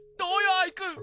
アイくん。